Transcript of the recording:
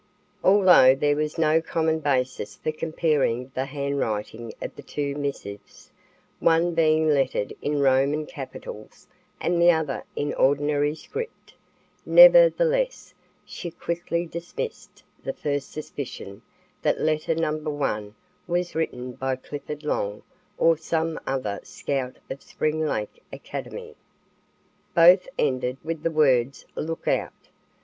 Although there was no common basis for comparing the handwriting of the two missives, one being lettered in Roman capitals and the other in ordinary script, nevertheless she quickly dismissed the first suspicion that letter No. 1 was written by Clifford Long or some other Scout of Spring Lake academy. Both ended with the words "Look Out."